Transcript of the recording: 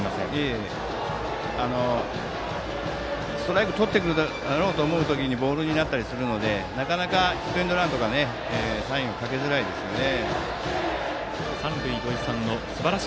ストライクとってくるだろうと思う時にボールになったりするのでなかなかヒットエンドランとかサインをかけづらいですよね。